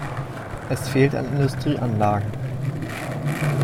Es fehlt an Industrieanlagen.